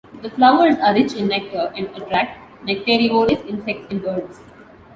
The flowers are rich in nectar and attract nectarivorous insects and birds.